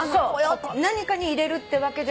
何かに入れるってわけじゃなくて。